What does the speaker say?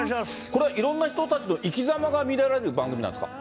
これ、いろんな人たちのいきざまが見られる番組なんですか。